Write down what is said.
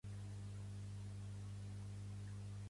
Mentre partia, la dona li va llançar la carta del restaurant.